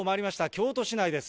京都市内です。